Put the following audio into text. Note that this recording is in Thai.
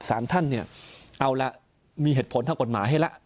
สารท่านเนี่ยเอาละมีเหตุผลทางกฎหมายให้ละ